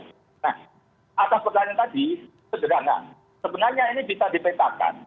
nah atas pertanyaan tadi kebenarannya ini kita dipetakan